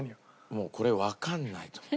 もうこれわかんないと思う。